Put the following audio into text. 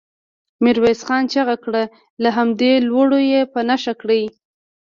ميرويس خان چيغه کړه! له همدې لوړو يې په نښه کړئ.